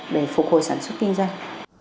để phục hồi sản xuất kinh doanh